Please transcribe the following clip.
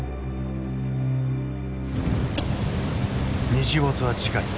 日没は近い。